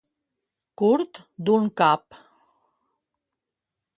Curt d'un cap.